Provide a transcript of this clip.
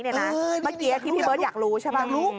เมื่อกี้ที่พี่เบิร์ตอยากรู้ใช่ป่ะ